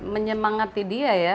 menyemangati dia ya